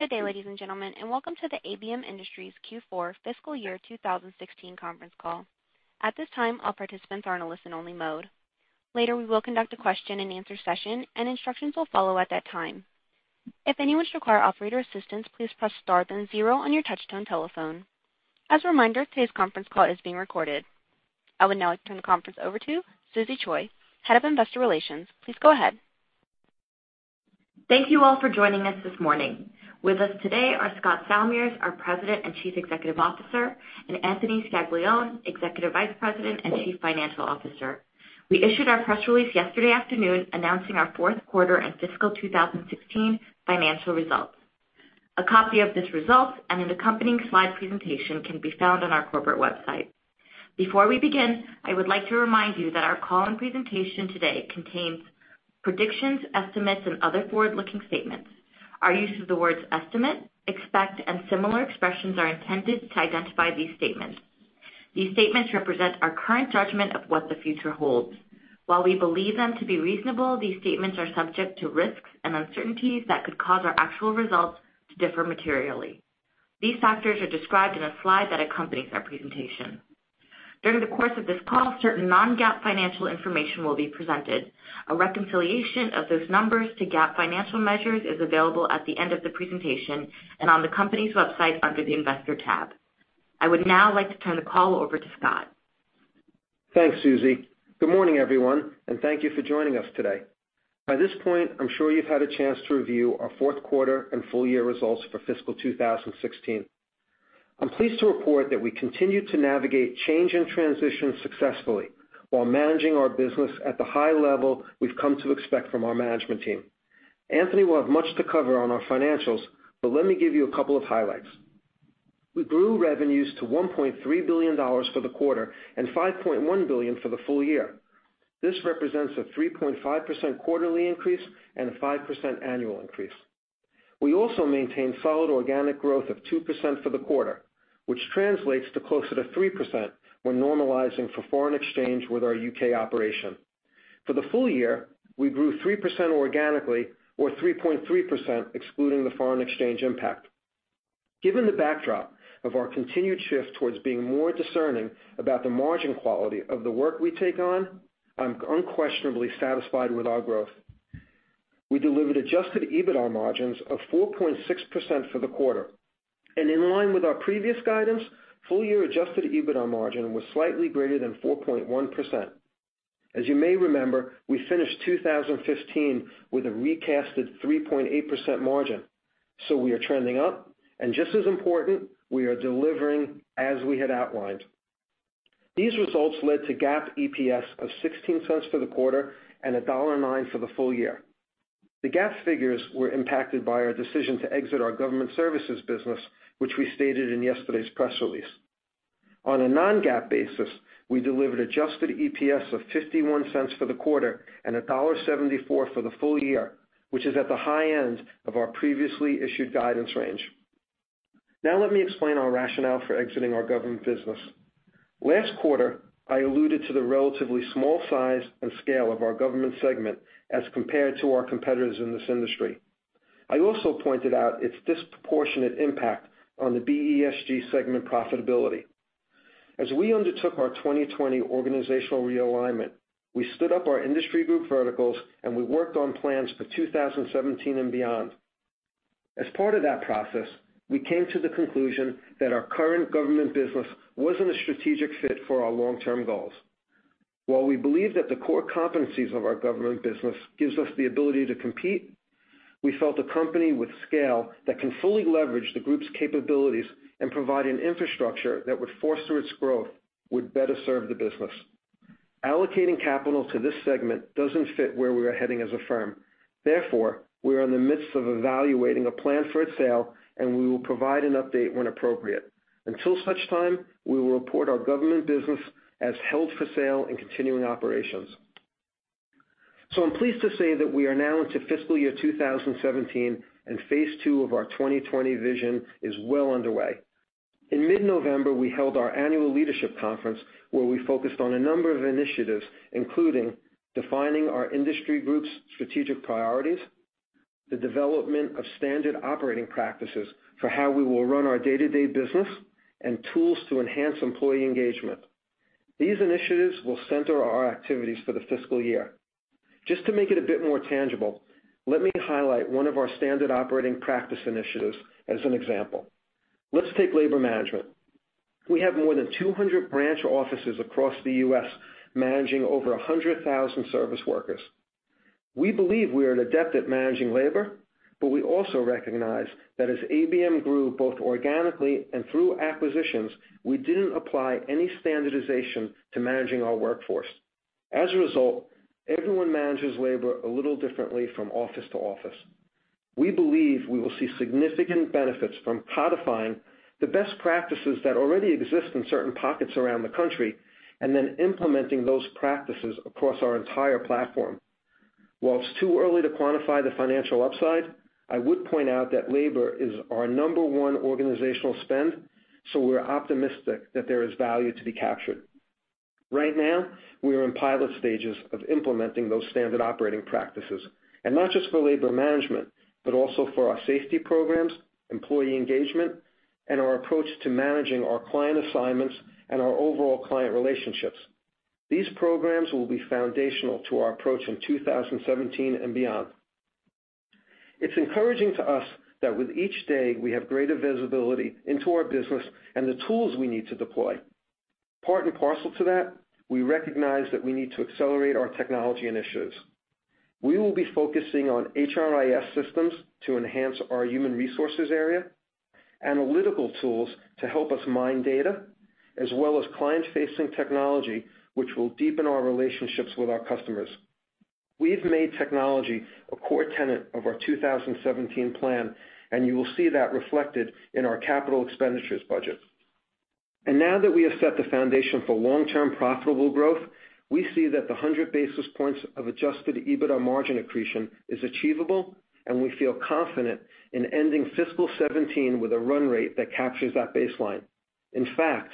Good day, ladies and gentlemen, welcome to the ABM Industries Q4 Fiscal Year 2016 conference call. At this time, all participants are in a listen-only mode. Later, we will conduct a question-and-answer session, and instructions will follow at that time. If anyone should require operator assistance, please press star then zero on your touchtone telephone. As a reminder, today's conference call is being recorded. I would now like to turn the conference over to Susie Choi, Head of Investor Relations. Please go ahead. Thank you all for joining us this morning. With us today are Scott Salmirs, our President and Chief Executive Officer, and Anthony Scaglione, Executive Vice President and Chief Financial Officer. We issued our press release yesterday afternoon announcing our fourth quarter and fiscal 2016 financial results. A copy of these results and an accompanying slide presentation can be found on our corporate website. Before we begin, I would like to remind you that our call and presentation today contains predictions, estimates, and other forward-looking statements. Our use of the words "estimate," "expect," and similar expressions are intended to identify these statements. These statements represent our current judgment of what the future holds. While we believe them to be reasonable, these statements are subject to risks and uncertainties that could cause our actual results to differ materially. These factors are described in a slide that accompanies our presentation. During the course of this call, certain non-GAAP financial information will be presented. A reconciliation of those numbers to GAAP financial measures is available at the end of the presentation and on the company's website under the Investor tab. I would now like to turn the call over to Scott. Thanks, Susie. Good morning, everyone, thank you for joining us today. By this point, I'm sure you've had a chance to review our fourth quarter and full-year results for fiscal 2016. I'm pleased to report that we continue to navigate change and transition successfully while managing our business at the high level we've come to expect from our management team. Anthony will have much to cover on our financials, but let me give you a couple of highlights. We grew revenues to $1.3 billion for the quarter and $5.1 billion for the full year. This represents a 3.5% quarterly increase and a 5% annual increase. We also maintained solid organic growth of 2% for the quarter, which translates to closer to 3% when normalizing for foreign exchange with our U.K. operation. For the full year, we grew 3% organically or 3.3% excluding the foreign exchange impact. Given the backdrop of our continued shift towards being more discerning about the margin quality of the work we take on, I'm unquestionably satisfied with our growth. We delivered adjusted EBITDA margins of 4.6% for the quarter. In line with our previous guidance, full-year adjusted EBITDA margin was slightly greater than 4.1%. As you may remember, we finished 2015 with a recasted 3.8% margin. We are trending up, and just as important, we are delivering as we had outlined. These results led to GAAP EPS of $0.16 for the quarter and $1.09 for the full year. The GAAP figures were impacted by our decision to exit our government services business, which we stated in yesterday's press release. On a non-GAAP basis, we delivered adjusted EPS of $0.51 for the quarter and $1.74 for the full year, which is at the high end of our previously issued guidance range. Let me explain our rationale for exiting our government business. Last quarter, I alluded to the relatively small size and scale of our government segment as compared to our competitors in this industry. I also pointed out its disproportionate impact on the BESG segment profitability. As we undertook our 2020 organizational realignment, we stood up our industry group verticals, and we worked on plans for 2017 and beyond. As part of that process, we came to the conclusion that our current government business wasn't a strategic fit for our long-term goals. While we believe that the core competencies of our government business gives us the ability to compete, we felt a company with scale that can fully leverage the group's capabilities and provide an infrastructure that would foster its growth would better serve the business. Allocating capital to this segment doesn't fit where we are heading as a firm. We are in the midst of evaluating a plan for its sale, and we will provide an update when appropriate. Until such time, we will report our government business as held for sale in continuing operations. I'm pleased to say that we are now into fiscal year 2017, and phase two of our 2020 Vision is well underway. In mid-November, we held our annual leadership conference, where we focused on a number of initiatives, including defining our industry group's strategic priorities, the development of standard operating practices for how we will run our day-to-day business, and tools to enhance employee engagement. These initiatives will center our activities for the fiscal year. Just to make it a bit more tangible, let me highlight one of our standard operating practice initiatives as an example. Let's take labor management. We have more than 200 branch offices across the U.S. managing over 100,000 service workers. We believe we are adept at managing labor, but we also recognize that as ABM grew both organically and through acquisitions, we didn't apply any standardization to managing our workforce. As a result, everyone manages labor a little differently from office to office. We believe we will see significant benefits from codifying the best practices that already exist in certain pockets around the country and then implementing those practices across our entire platform. While it's too early to quantify the financial upside, I would point out that labor is our number one organizational spend, so we're optimistic that there is value to be captured. Right now, we are in pilot stages of implementing those standard operating practices. Not just for labor management, but also for our safety programs, employee engagement, and our approach to managing our client assignments and our overall client relationships. These programs will be foundational to our approach in 2017 and beyond. It's encouraging to us that with each day, we have greater visibility into our business and the tools we need to deploy. Part and parcel to that, we recognize that we need to accelerate our technology initiatives. We will be focusing on HRIS systems to enhance our human resources area, analytical tools to help us mine data, as well as client-facing technology, which will deepen our relationships with our customers. We've made technology a core tenet of our 2017 plan, and you will see that reflected in our capital expenditures budget. Now that we have set the foundation for long-term profitable growth, we see that the 100 basis points of adjusted EBITDA margin accretion is achievable, and we feel confident in ending fiscal 2017 with a run rate that captures that baseline. In fact,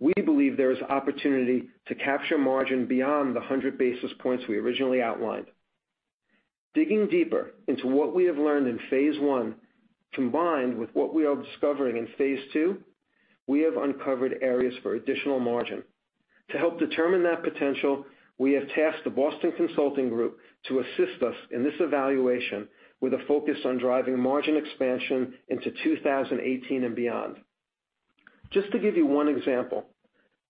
we believe there is opportunity to capture margin beyond the 100 basis points we originally outlined. Digging deeper into what we have learned in phase 1, combined with what we are discovering in phase 2, we have uncovered areas for additional margin. To help determine that potential, we have tasked the Boston Consulting Group to assist us in this evaluation with a focus on driving margin expansion into 2018 and beyond. Just to give you one example,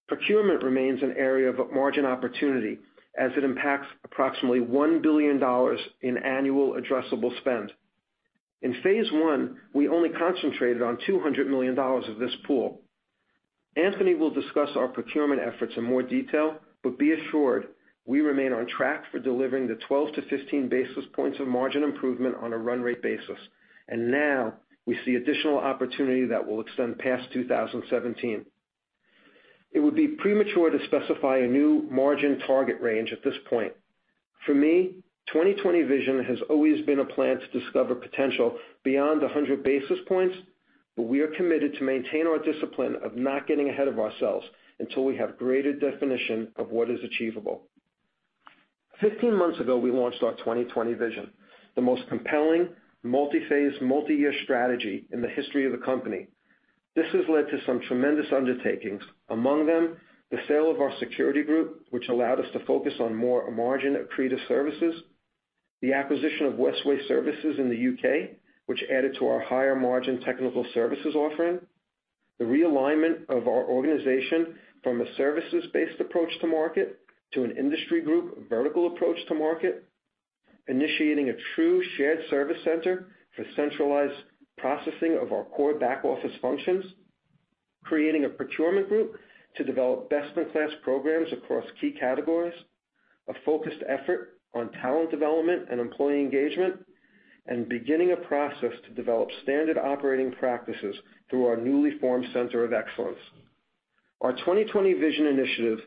procurement remains an area of margin opportunity as it impacts approximately $1 billion in annual addressable spend. In phase 1, we only concentrated on $200 million of this pool. Anthony will discuss our procurement efforts in more detail, but be assured we remain on track for delivering the 12-15 basis points of margin improvement on a run rate basis. Now we see additional opportunity that will extend past 2017. It would be premature to specify a new margin target range at this point. For me, 2020 Vision has always been a plan to discover potential beyond 100 basis points, but we are committed to maintain our discipline of not getting ahead of ourselves until we have greater definition of what is achievable. 15 months ago, we launched our 2020 Vision, the most compelling multi-phase, multi-year strategy in the history of the company. This has led to some tremendous undertakings. Among them, the sale of our security group, which allowed us to focus on more margin accretive services. The acquisition of Westway Services in the U.K., which added to our higher margin technical services offering. The realignment of our organization from a services-based approach to market to an industry group vertical approach to market. Initiating a true shared service center for centralized processing of our core back-office functions. Creating a procurement group to develop best-in-class programs across key categories. A focused effort on talent development and employee engagement, beginning a process to develop standard operating practices through our newly formed Center of Excellence. Our 2020 Vision initiative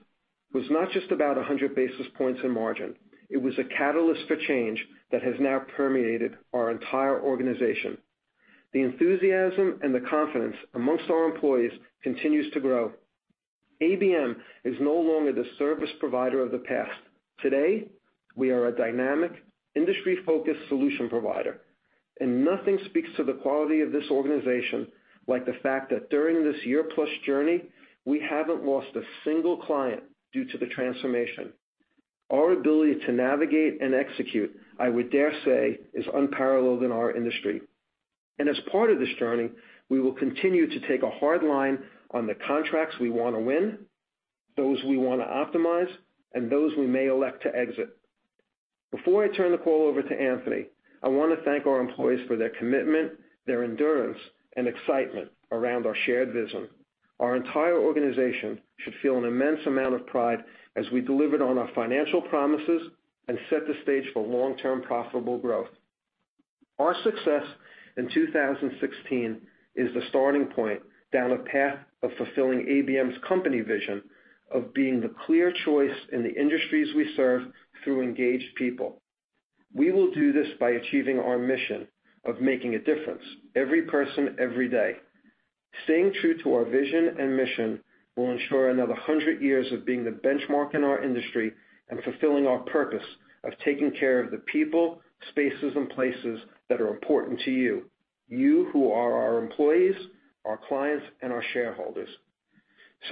was not just about 100 basis points in margin. It was a catalyst for change that has now permeated our entire organization. The enthusiasm and the confidence amongst our employees continues to grow. ABM is no longer the service provider of the past. Today, we are a dynamic industry-focused solution provider, and nothing speaks to the quality of this organization like the fact that during this year-plus journey, we haven't lost a single client due to the transformation. Our ability to navigate and execute, I would dare say, is unparalleled in our industry. As part of this journey, we will continue to take a hard line on the contracts we want to win, those we want to optimize, and those we may elect to exit. Before I turn the call over to Anthony, I want to thank our employees for their commitment, their endurance, and excitement around our shared vision. Our entire organization should feel an immense amount of pride as we delivered on our financial promises and set the stage for long-term profitable growth. Our success in 2016 is the starting point down a path of fulfilling ABM's company vision of being the clear choice in the industries we serve through engaged people. We will do this by achieving our mission of making a difference, every person, every day. Staying true to our vision and mission will ensure another 100 years of being the benchmark in our industry and fulfilling our purpose of taking care of the people, spaces, and places that are important to you who are our employees, our clients, and our shareholders.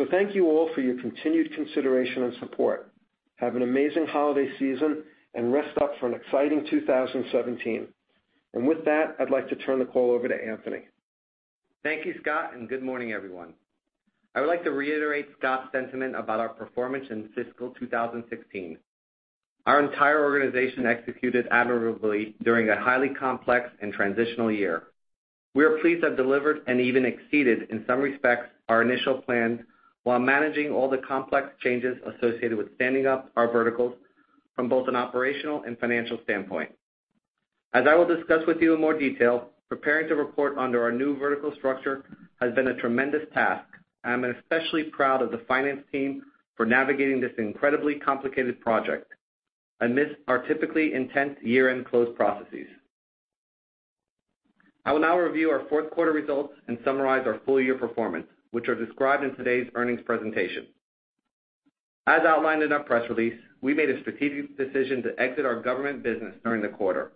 Thank you all for your continued consideration and support. Have an amazing holiday season and rest up for an exciting 2017. With that, I'd like to turn the call over to Anthony. Thank you, Scott, and good morning, everyone. I would like to reiterate Scott's sentiment about our performance in fiscal 2016. Our entire organization executed admirably during a highly complex and transitional year. We are pleased to have delivered and even exceeded in some respects our initial plan while managing all the complex changes associated with standing up our verticals from both an operational and financial standpoint. As I will discuss with you in more detail, preparing to report under our new vertical structure has been a tremendous task. I am especially proud of the finance team for navigating this incredibly complicated project amidst our typically intense year-end close processes. I will now review our fourth quarter results and summarize our full year performance, which are described in today's earnings presentation. As outlined in our press release, we made a strategic decision to exit our government business during the quarter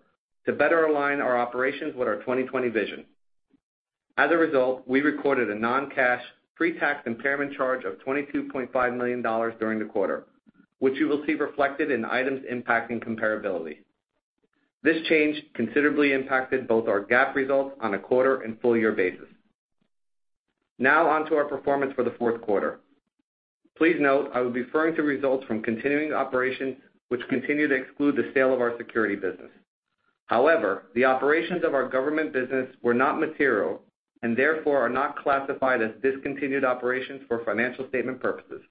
to better align our operations with our 2020 Vision. As a result, we recorded a non-cash pre-tax impairment charge of $22.5 million during the quarter, which you will see reflected in items impacting comparability. This change considerably impacted both our GAAP results on a quarter and full year basis. On to our performance for the fourth quarter. Please note I will be referring to results from continuing operations, which continue to exclude the sale of our security business. The operations of our government business were not material and therefore are not classified as discontinued operations for financial statement purposes.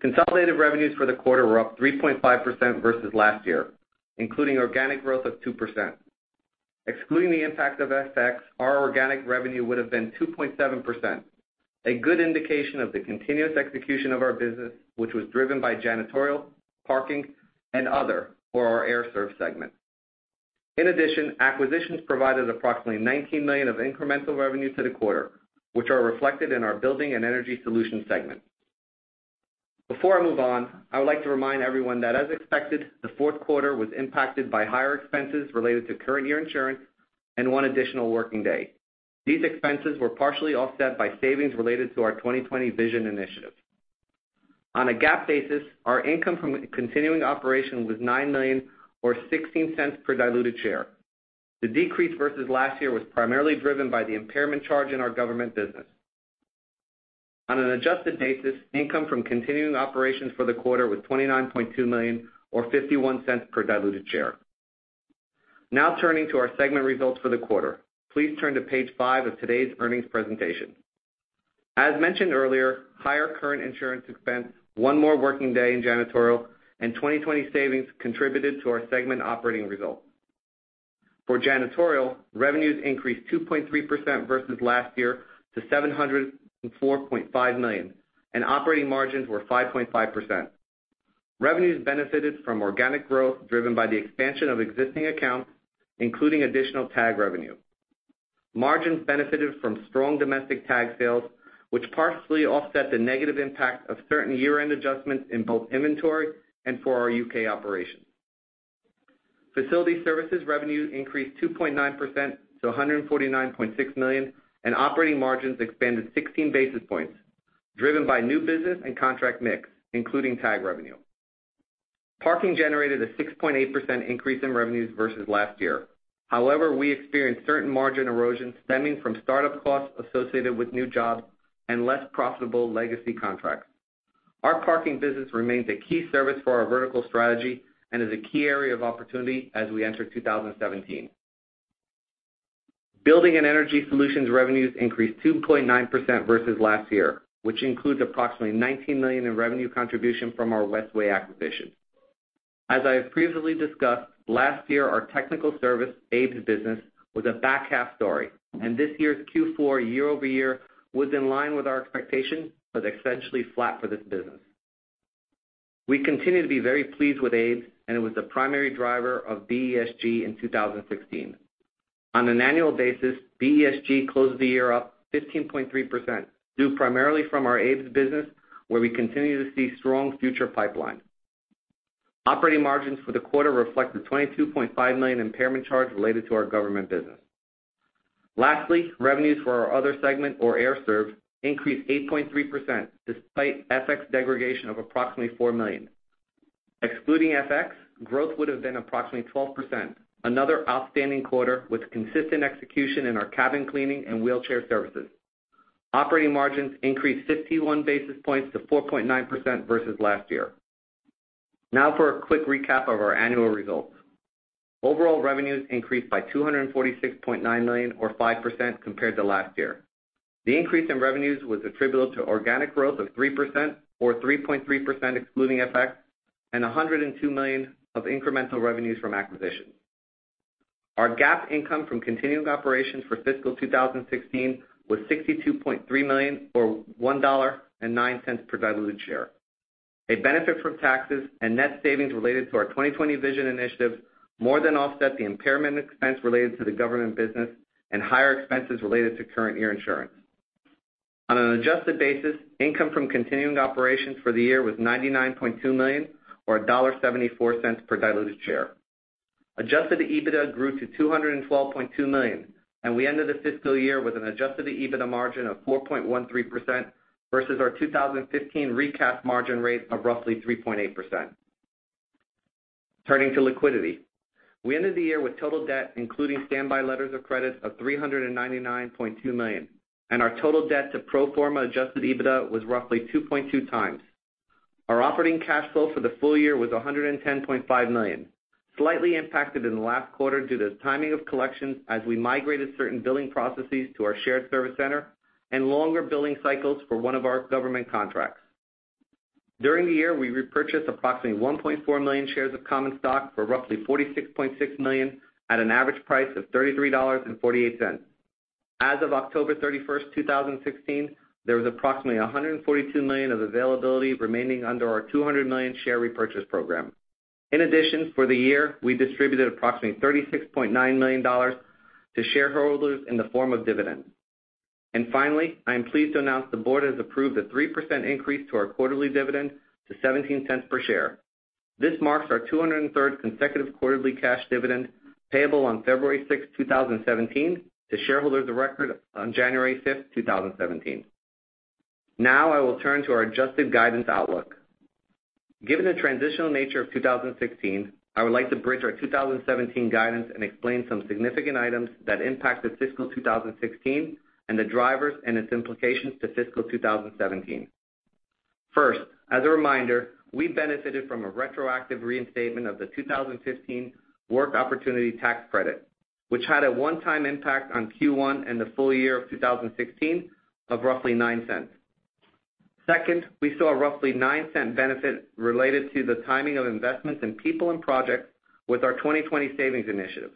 Consolidated revenues for the quarter were up 3.5% versus last year, including organic growth of 2%. Excluding the impact of FX, our organic revenue would have been 2.7%, a good indication of the continuous execution of our business, which was driven by Janitorial, Parking and other for our Air Serv segment. Acquisitions provided approximately $19 million of incremental revenue to the quarter, which are reflected in our Building and Energy Solutions segment. Before I move on, I would like to remind everyone that as expected, the fourth quarter was impacted by higher expenses related to current year insurance and one additional working day. These expenses were partially offset by savings related to our 2020 Vision initiative. On a GAAP basis, our income from continuing operations was $9 million or $0.16 per diluted share. The decrease versus last year was primarily driven by the impairment charge in our government business. On an adjusted basis, income from continuing operations for the quarter was $29.2 million or $0.51 per diluted share. Turning to our segment results for the quarter, please turn to page five of today's earnings presentation. As mentioned earlier, higher current insurance expense, one more working day in Janitorial and 2020 Vision savings contributed to our segment operating results. For Janitorial, revenues increased 2.3% versus last year to $704.5 million, and operating margins were 5.5%. Revenues benefited from organic growth driven by the expansion of existing accounts, including additional TAG revenue. Margins benefited from strong domestic TAG sales, which partially offset the negative impact of certain year-end adjustments in both inventory and for our U.K. operations. Facility Services revenues increased 2.9% to $149.6 million, and operating margins expanded 16 basis points, driven by new business and contract mix, including TAG revenue. Parking generated a 6.8% increase in revenues versus last year. We experienced certain margin erosion stemming from startup costs associated with new jobs and less profitable legacy contracts. Our Parking business remains a key service for our vertical strategy and is a key area of opportunity as we enter 2017. Building and Energy Solutions revenues increased 2.9% versus last year, which includes approximately $19 million in revenue contribution from our Westway acquisition. As I have previously discussed, last year our technical service ABES business was a back half story, and this year's Q4 year-over-year was in line with our expectations, but essentially flat for this business. We continue to be very pleased with ABES, and it was the primary driver of BESG in 2016. On an annual basis, BESG closed the year up 15.3%, due primarily from our ABES business where we continue to see strong future pipeline. Operating margins for the quarter reflect the $22.5 million impairment charge related to our government business. Lastly, revenues for our other segment or Air Serv increased 8.3%, despite FX degradation of approximately $4 million. Excluding FX, growth would have been approximately 12%, another outstanding quarter with consistent execution in our cabin cleaning and wheelchair services. Operating margins increased 51 basis points to 4.9% versus last year. For a quick recap of our annual results. Overall revenues increased by $246.9 million or 5% compared to last year. The increase in revenues was attributable to organic growth of 3% or 3.3% excluding FX and $102 million of incremental revenues from acquisitions. Our GAAP income from continuing operations for fiscal 2016 was $62.3 million or $1.09 per diluted share. A benefit from taxes and net savings related to our 2020 Vision initiative more than offset the impairment expense related to the government business and higher expenses related to current year insurance. On an adjusted basis, income from continuing operations for the year was $99.2 million or $1.74 per diluted share. Adjusted EBITDA grew to $212.2 million, and we ended the fiscal year with an adjusted EBITDA margin of 4.13% versus our 2015 recast margin rate of roughly 3.8%. Turning to liquidity, we ended the year with total debt, including standby letters of credit, of $399.2 million, and our total debt to pro forma adjusted EBITDA was roughly 2.2 times. Our operating cash flow for the full year was $110.5 million, slightly impacted in the last quarter due to timing of collections as we migrated certain billing processes to our shared service center and longer billing cycles for one of our government contracts. During the year, we repurchased approximately 1.4 million shares of common stock for roughly $46.6 million at an average price of $33.48. As of October 31st, 2016, there was approximately $142 million of availability remaining under our $200 million share repurchase program. For the year, we distributed approximately $36.9 million to shareholders in the form of dividends. Finally, I am pleased to announce the board has approved a 3% increase to our quarterly dividend to $0.17 per share. This marks our 203rd consecutive quarterly cash dividend payable on February 6, 2017, to shareholders of record on January 5th, 2017. I will turn to our adjusted guidance outlook. Given the transitional nature of 2016, I would like to bridge our 2017 guidance and explain some significant items that impacted fiscal 2016, and the drivers and its implications to fiscal 2017. First, as a reminder, we benefited from a retroactive reinstatement of the 2015 Work Opportunity Tax Credit, which had a one-time impact on Q1 and the full year of 2016 of roughly $0.09. Second, we saw a roughly $0.09 benefit related to the timing of investments in people and projects with our 2020 savings initiative.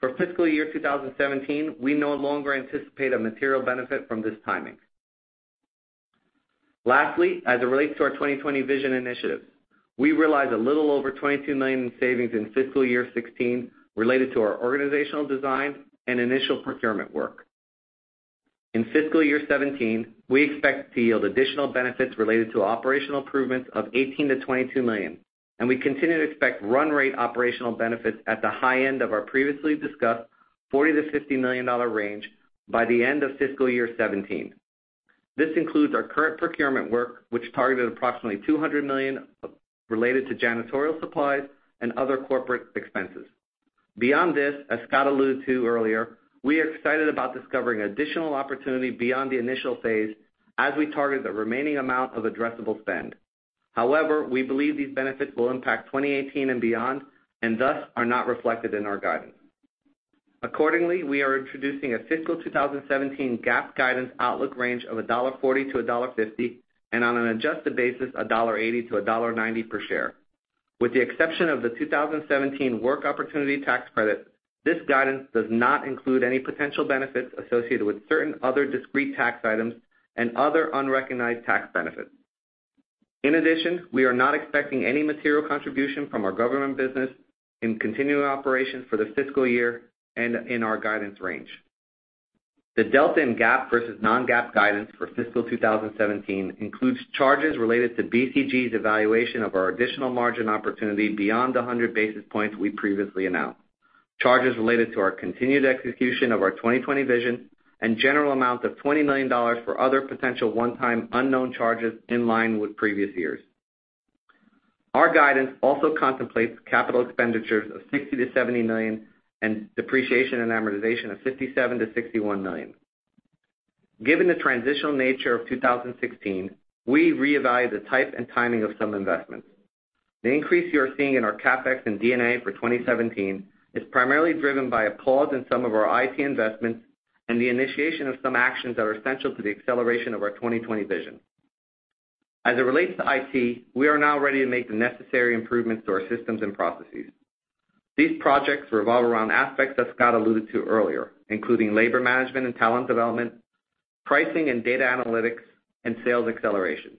For fiscal year 2017, we no longer anticipate a material benefit from this timing. Lastly, as it relates to our 2020 Vision initiative, we realized a little over $22 million in savings in fiscal year 2016 related to our organizational design and initial procurement work. In fiscal year 2017, we expect to yield additional benefits related to operational improvements of $18 million-$22 million, and we continue to expect run rate operational benefits at the high end of our previously discussed $40 million-$50 million range by the end of fiscal year 2017. This includes our current procurement work, which targeted approximately $200 million related to Janitorial supplies and other corporate expenses. Beyond this, as Scott alluded to earlier, we are excited about discovering additional opportunity beyond the initial phase as we target the remaining amount of addressable spend. However, we believe these benefits will impact 2018 and beyond, and thus are not reflected in our guidance. Accordingly, we are introducing a fiscal 2017 GAAP guidance outlook range of $1.40-$1.50, and on an adjusted basis, $1.80-$1.90 per share. With the exception of the 2017 Work Opportunity Tax Credit, this guidance does not include any potential benefits associated with certain other discrete tax items and other unrecognized tax benefits. In addition, we are not expecting any material contribution from our government business in continuing operations for the fiscal year and in our guidance range. The delta in GAAP versus non-GAAP guidance for fiscal 2017 includes charges related to BCG's evaluation of our additional margin opportunity beyond the 100 basis points we previously announced, charges related to our continued execution of our 2020 Vision, and general amount of $20 million for other potential one-time unknown charges in line with previous years. Our guidance also contemplates capital expenditures of $60 million-$70 million and depreciation and amortization of $57 million-$61 million. Given the transitional nature of 2016, we reevaluated the type and timing of some investments. The increase you are seeing in our CapEx and D&A for 2017 is primarily driven by a pause in some of our IT investments and the initiation of some actions that are essential to the acceleration of our 2020 Vision. As it relates to IT, we are now ready to make the necessary improvements to our systems and processes. These projects revolve around aspects that Scott alluded to earlier, including labor management and talent development, pricing and data analytics, and sales acceleration.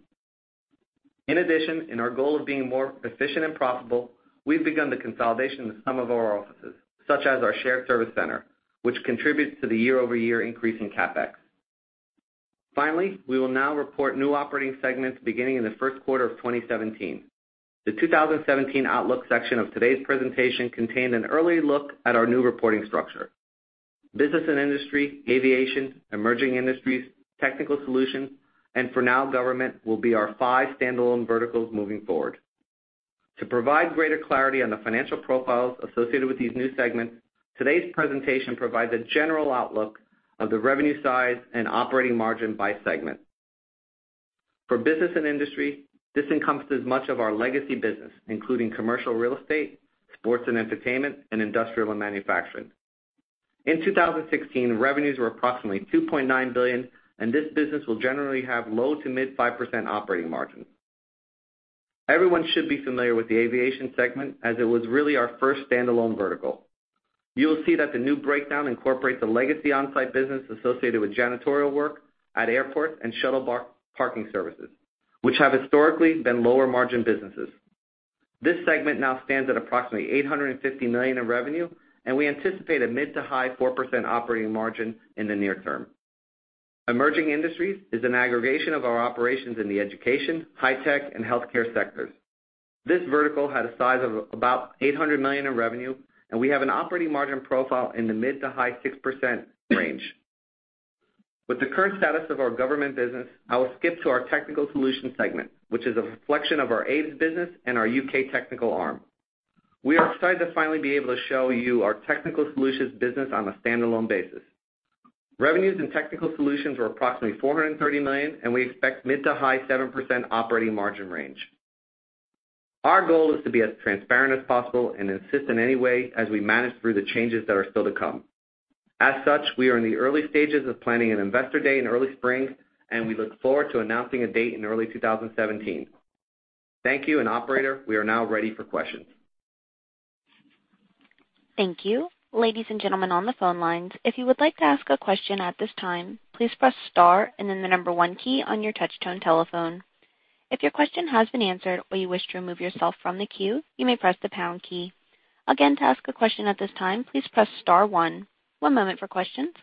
In addition, in our goal of being more efficient and profitable, we've begun the consolidation of some of our offices, such as our shared service center, which contributes to the year-over-year increase in CapEx. Finally, we will now report new operating segments beginning in the first quarter of 2017. The 2017 outlook section of today's presentation contained an early look at our new reporting structure. Business & Industry, Aviation, Emerging Industries, Technical Solutions, and for now, Government, will be our five standalone verticals moving forward. To provide greater clarity on the financial profiles associated with these new segments, today's presentation provides a general outlook of the revenue size and operating margin by segment. For Business & Industry, this encompasses much of our legacy business, including commercial real estate, sports and entertainment, and industrial and manufacturing. In 2016, revenues were approximately $2.9 billion, and this business will generally have low to mid 5% operating margin. Everyone should be familiar with the Aviation segment, as it was really our first standalone vertical. You will see that the new breakdown incorporates a legacy on-site business associated with Janitorial work at airports and shuttle parking services, which have historically been lower-margin businesses. This segment now stands at approximately $850 million in revenue. We anticipate a mid to high 4% operating margin in the near term. Emerging Industries is an aggregation of our operations in the education, high tech, and healthcare sectors. This vertical had a size of about $800 million in revenue, and we have an operating margin profile in the mid to high 6% range. With the current status of our government business, I will skip to our Technical Solutions segment, which is a reflection of our ABES business and our U.K. technical arm. We are excited to finally be able to show you our Technical Solutions business on a standalone basis. Revenues in Technical Solutions were approximately $430 million, and we expect mid to high 7% operating margin range. Our goal is to be as transparent as possible and assist in any way as we manage through the changes that are still to come. As such, we are in the early stages of planning an investor day in early spring. We look forward to announcing a date in early 2017. Thank you. Operator, we are now ready for questions. Thank you. Ladies and gentlemen on the phone lines, if you would like to ask a question at this time, please press star and then the number 1 key on your touch-tone telephone. If your question has been answered or you wish to remove yourself from the queue, you may press the pound key. Again, to ask a question at this time, please press star 1. One moment for questions.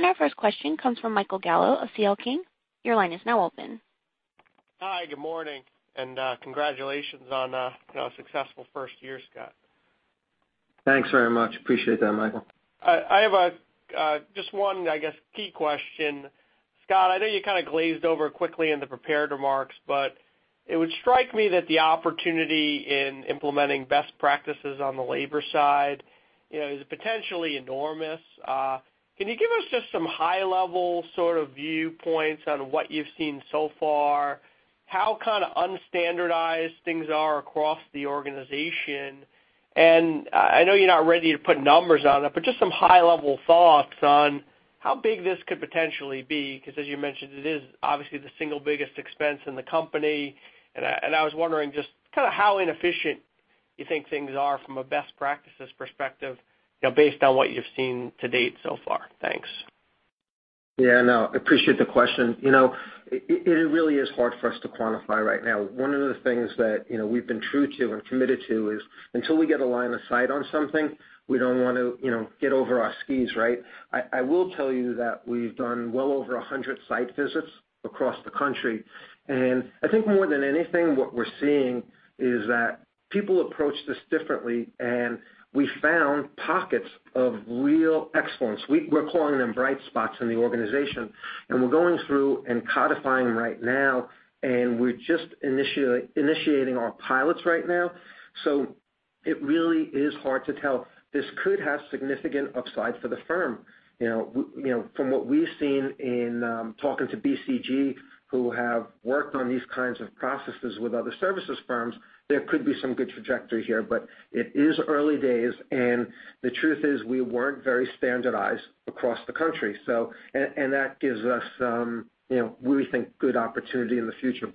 Our first question comes from Michael Gallo of C.L. King & Associates. Your line is now open. Hi, good morning. Congratulations on a successful first year, Scott. Thanks very much. Appreciate that, Michael. I have just one, I guess, key question. Scott, I know you kind of glazed over quickly in the prepared remarks, but it would strike me that the opportunity in implementing best practices on the labor side is potentially enormous. Can you give us just some high-level sort of viewpoints on what you've seen so far, how kind of unstandardized things are across the organization? I know you're not ready to put numbers on it, but just some high-level thoughts on how big this could potentially be, because as you mentioned, it is obviously the single biggest expense in the company. I was wondering just kind of how inefficient you think things are from a best practices perspective based on what you've seen to date so far. Thanks. No, appreciate the question. It really is hard for us to quantify right now. One of the things that we've been true to and committed to is until we get a line of sight on something, we don't want to get over our skis, right? I will tell you that we've done well over 100 site visits across the country. I think more than anything, what we're seeing is that people approach this differently and we found pockets of real excellence. We're calling them bright spots in the organization, and we're going through and codifying them right now, and we're just initiating our pilots right now. It really is hard to tell. This could have significant upside for the firm. From what we've seen in talking to BCG, who have worked on these kinds of processes with other services firms, there could be some good trajectory here, it is early days, and the truth is we weren't very standardized across the country. That gives us, we think, good opportunity in the future.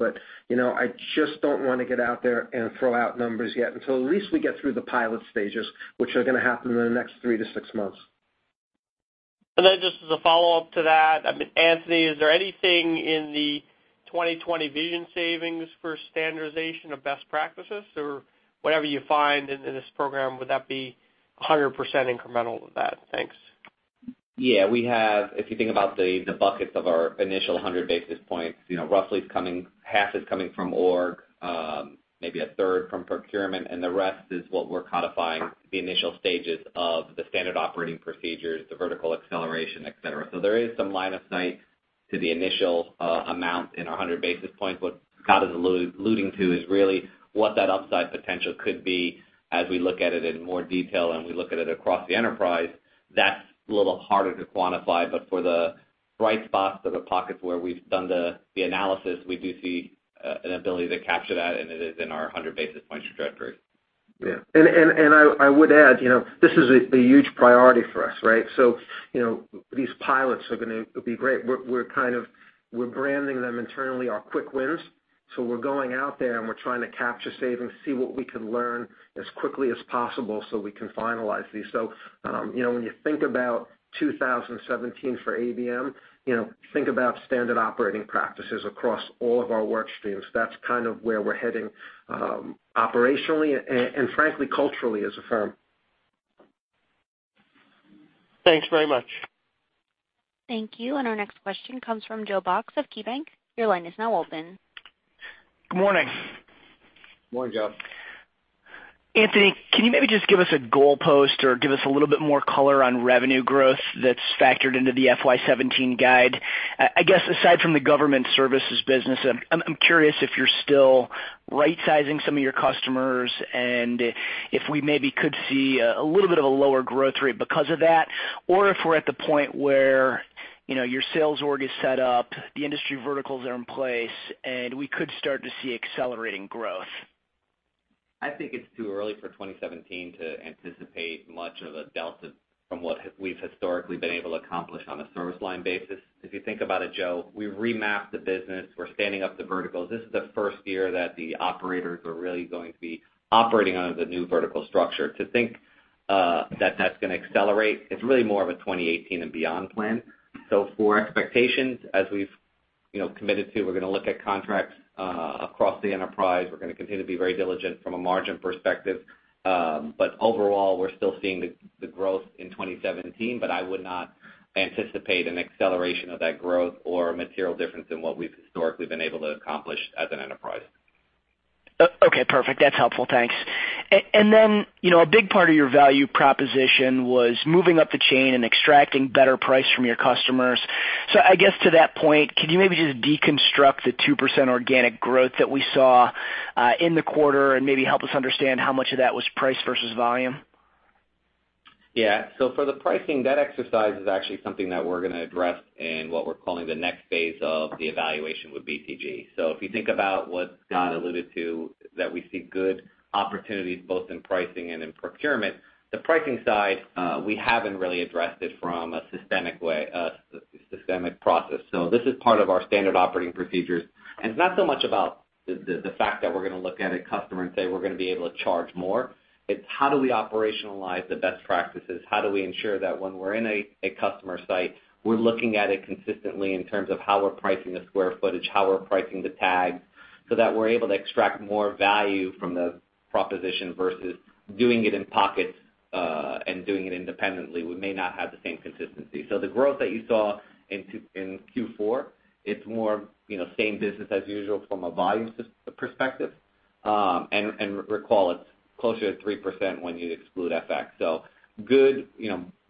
I just don't want to get out there and throw out numbers yet until at least we get through the pilot stages, which are going to happen in the next three to six months. Just as a follow-up to that, Anthony, is there anything in the 2020 Vision savings for standardization of best practices? Whatever you find in this program, would that be 100% incremental to that? Thanks. We have, if you think about the buckets of our initial 100 basis points, roughly half is coming from org, maybe a third from procurement, and the rest is what we're codifying the initial stages of the standard operating procedures, the vertical acceleration, et cetera. There is some line of sight to the initial amount in our 100 basis points. What Scott is alluding to is really what that upside potential could be as we look at it in more detail and we look at it across the enterprise. That's a little harder to quantify, but for the bright spots or the pockets where we've done the analysis, we do see an ability to capture that, and it is in our 100 basis point trajectory. I would add, this is a huge priority for us, right? These pilots are going to be great. We're branding them internally our quick wins. We're going out there and we're trying to capture, save, and see what we can learn as quickly as possible so we can finalize these. When you think about 2017 for ABM, think about standard operating practices across all of our work streams. That's kind of where we're heading operationally and frankly, culturally as a firm. Thanks very much. Thank you. Our next question comes from Joe Box of KeyBanc. Your line is now open. Good morning. Morning, Joe. Anthony, can you maybe just give us a goalpost or give us a little bit more color on revenue growth that's factored into the FY 2017 guide? I guess aside from the government services business, I'm curious if you're still right-sizing some of your customers and if we maybe could see a little bit of a lower growth rate because of that, or if we're at the point where your sales org is set up, the industry verticals are in place, and we could start to see accelerating growth. I think it's too early for 2017 to anticipate much of a delta from what we've historically been able to accomplish on a service line basis. If you think about it, Joe, we remapped the business. We're standing up the verticals. This is the first year that the operators are really going to be operating under the new vertical structure. To think that that's going to accelerate, it's really more of a 2018 and beyond plan. For expectations, as we've committed to, we're going to look at contracts across the enterprise. We're going to continue to be very diligent from a margin perspective. Overall, we're still seeing the growth in 2017, but I would not anticipate an acceleration of that growth or a material difference in what we've historically been able to accomplish as an enterprise. Okay, perfect. That's helpful. Thanks. A big part of your value proposition was moving up the chain and extracting better price from your customers. I guess to that point, can you maybe just deconstruct the 2% organic growth that we saw in the quarter and maybe help us understand how much of that was price versus volume? Yeah. For the pricing, that exercise is actually something that we're going to address in what we're calling the next phase of the evaluation with BCG. If you think about what Scott alluded to, that we see good opportunities both in pricing and in procurement. The pricing side, we haven't really addressed it from a systemic process. This is part of our standard operating procedures, and it's not so much about the fact that we're going to look at a customer and say we're going to be able to charge more. It's how do we operationalize the best practices? How do we ensure that when we're in a customer site, we're looking at it consistently in terms of how we're pricing the square footage, how we're pricing the tags? That we're able to extract more value from the proposition versus doing it in pockets, and doing it independently, we may not have the same consistency. The growth that you saw in Q4, it's more same business as usual from a volume perspective. And recall it's closer to 3% when you exclude FX. Good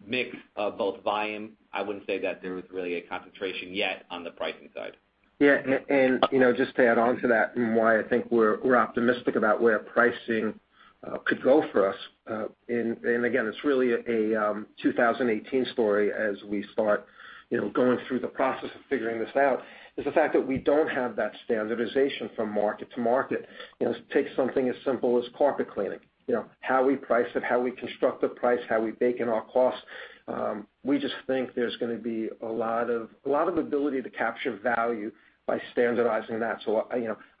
mix of both volume. I wouldn't say that there was really a concentration yet on the pricing side. Yeah. Just to add on to that and why I think we're optimistic about where pricing could go for us, and again, it's really a 2018 story as we start going through the process of figuring this out, is the fact that we don't have that standardization from market to market. Take something as simple as carpet cleaning. How we price it, how we construct the price, how we bake in our cost. We just think there's going to be a lot of ability to capture value by standardizing that.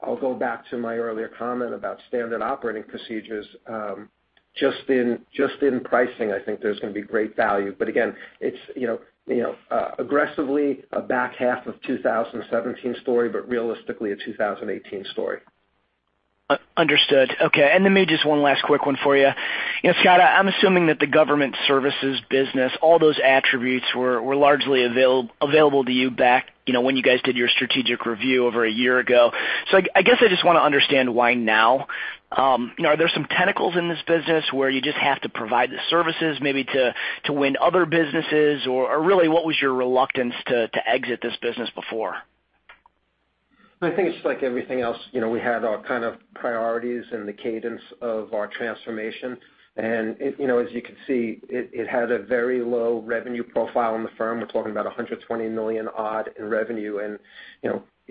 I'll go back to my earlier comment about standard operating procedures. Just in pricing, I think there's going to be great value. Again, it's aggressively a back half of 2017 story, but realistically a 2018 story. Understood. Maybe just one last quick one for you. Scott, I'm assuming that the government services business, all those attributes were largely available to you back when you guys did your strategic review over a year ago. I guess I just want to understand why now. Are there some tentacles in this business where you just have to provide the services maybe to win other businesses? Really, what was your reluctance to exit this business before? I think it's just like everything else. We had our kind of priorities and the cadence of our transformation. As you can see, it had a very low revenue profile in the firm. We're talking about $120 million odd in revenue,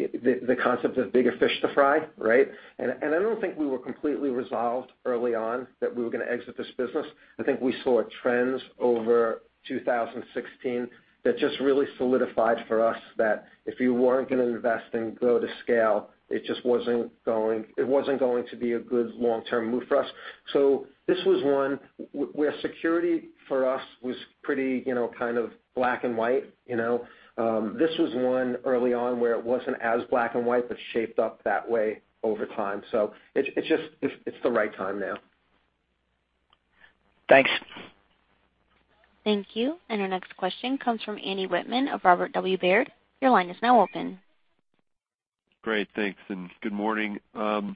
the concept of bigger fish to fry, right? I don't think we were completely resolved early on that we were going to exit this business. I think we saw trends over 2016 that just really solidified for us that if you weren't going to invest and grow to scale, it wasn't going to be a good long-term move for us. This was one where security for us was pretty kind of black and white. This was one early on where it wasn't as black and white, but shaped up that way over time. It's the right time now. Thanks. Thank you. Our next question comes from Andy Wittmann of Robert W. Baird. Your line is now open. Great. Thanks. Good morning. I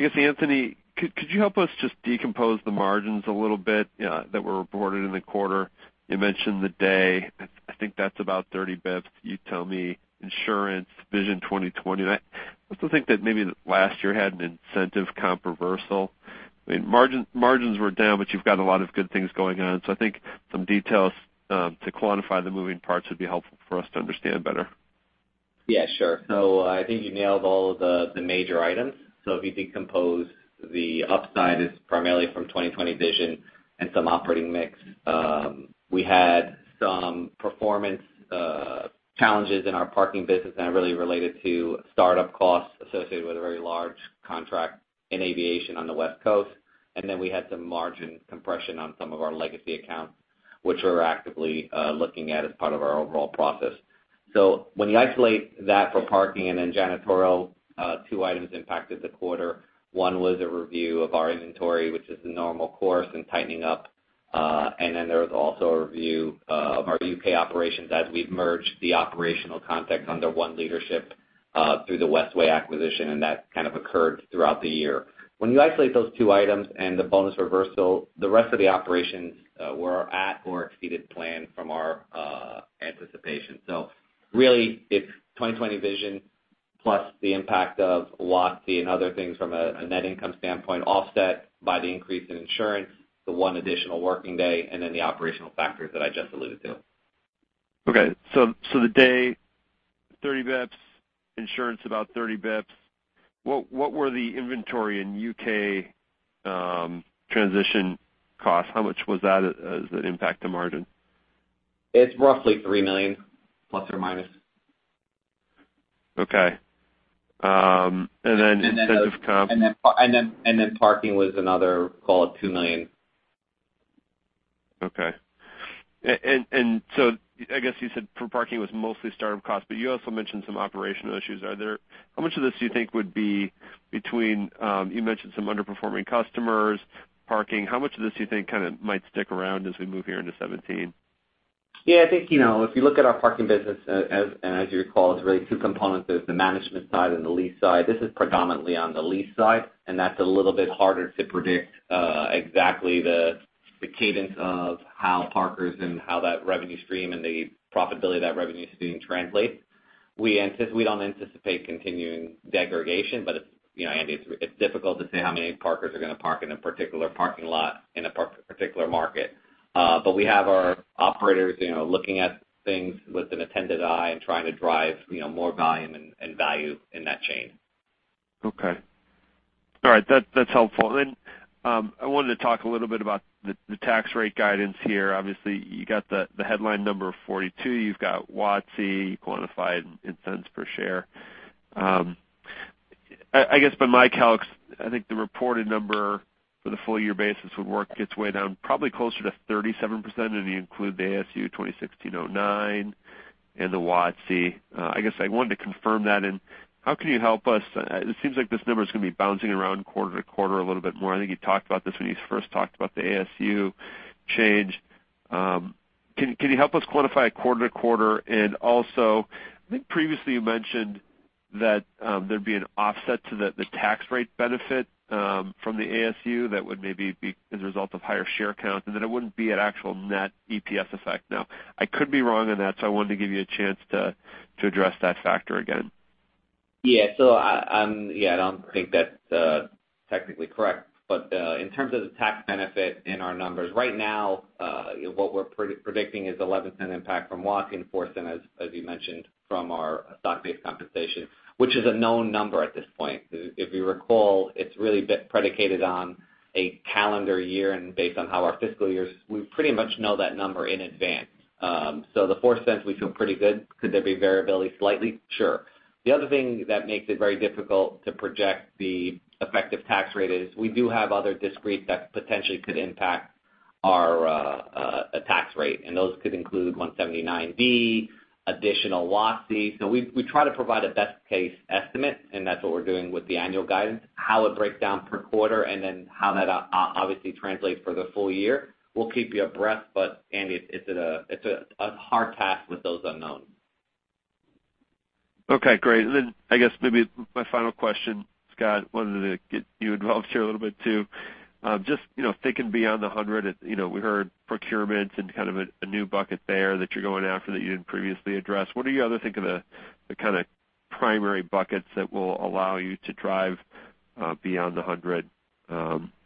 guess Anthony, could you help us just decompose the margins a little bit that were reported in the quarter? You mentioned the day, I think that's about 30 basis points. You tell me insurance, 2020 Vision. I also think that maybe last year had an incentive comp reversal. I mean, margins were down. You've got a lot of good things going on. I think some details to quantify the moving parts would be helpful for us to understand better. Yeah, sure. I think you nailed all of the major items. If you decompose the upside is primarily from 2020 Vision and some operating mix. We had some performance challenges in our parking business that really related to startup costs associated with a very large contract in Aviation on the West Coast. We had some margin compression on some of our legacy accounts, which we're actively looking at as part of our overall process. When you isolate that for parking and then Janitorial, two items impacted the quarter. One was a review of our inventory, which is the normal course in tightening up. There was also a review of our U.K. operations as we've merged the operational context under one leadership through the Westway acquisition, and that kind of occurred throughout the year. When you isolate those two items and the bonus reversal, the rest of the operations were at or exceeded plan from our anticipation. Really it's 2020 Vision plus the impact of WOTC and other things from a net income standpoint, offset by the increase in insurance, the one additional working day, the operational factors that I just alluded to. Okay. The day 30 basis points, insurance about 30 basis points. What were the inventory and U.K. transition costs? How much was that as an impact to margin? It's roughly $3 million ±. Okay. Then incentive comp- Then parking was another, call it $2 million. Okay. I guess you said for parking was mostly startup costs, but you also mentioned some operational issues. You mentioned some underperforming customers, parking. How much of this do you think kind of might stick around as we move here into 2017? Yeah, I think, if you look at our parking business as you recall, it's really two components. There's the management side and the lease side. This is predominantly on the lease side, and that's a little bit harder to predict exactly the cadence of how parkers and how that revenue stream and the profitability of that revenue stream translates. We don't anticipate continuing degradation, but Andy, it's difficult to say how many parkers are going to park in a particular parking lot in a particular market. But we have our operators looking at things with an attentive eye and trying to drive more volume and value in that chain. Okay. All right. That's helpful. I wanted to talk a little bit about the tax rate guidance here. Obviously, you got the headline number of 42. You've got WOTC quantified in cents per share. I guess by my calcs, I think the reported number for the full year basis would work its way down probably closer to 37% if you include the ASU 2016-09 and the WASI. I guess I wanted to confirm that and how can you help us? It seems like this number is going to be bouncing around quarter-to-quarter a little bit more. I think you talked about this when you first talked about the ASU change. Can you help us quantify quarter-to-quarter? Also, I think previously you mentioned that there'd be an offset to the tax rate benefit from the ASU that would maybe be as a result of higher share count, and that it wouldn't be an actual net EPS effect. I could be wrong on that, so I wanted to give you a chance to address that factor again. Yeah. I don't think that's technically correct, in terms of the tax benefit in our numbers right now, what we're predicting is $0.11 impact from WASI, $0.04, as you mentioned, from our stock-based compensation, which is a known number at this point. If you recall, it's really been predicated on a calendar year and based on how our fiscal years, we pretty much know that number in advance. The $0.04 we feel pretty good. Could there be variability slightly? Sure. The other thing that makes it very difficult to project the effective tax rate is we do have other discrete that potentially could impact our tax rate, and those could include 179D, additional WASI. We try to provide a best case estimate, and that's what we're doing with the annual guidance. How it breaks down per quarter and then how that obviously translates for the full year, we'll keep you abreast. Andy, it's a hard task with those unknowns. Okay, great. Then I guess maybe my final question, Scott, wanted to get you involved here a little bit too. Just thinking beyond the 100, we heard procurement and kind of a new bucket there that you're going after that you didn't previously address. What do you other think are the kind of primary buckets that will allow you to drive beyond the 100?